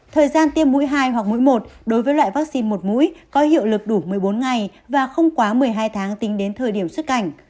thời gian tiêm mũi hai hoặc mũi một đối với loại vaccine một mũi có hiệu lực đủ một mươi bốn ngày và không quá một mươi hai tháng tính đến thời điểm xuất cảnh